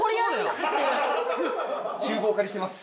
厨房をお借りしてます。